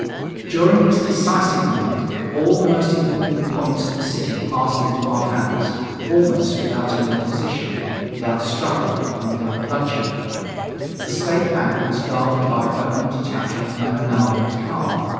During this decisive night all the most important points of the city passed into our hands almost without any opposition, without struggle and without bloodshed. The State Bank was guarded by a government detachment and an armored car.